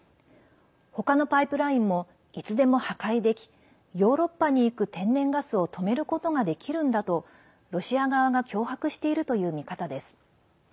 他のパイプラインもいつでも破壊できヨーロッパにいく天然ガスを止めることができるんだとロシア側が脅迫しているという見方です。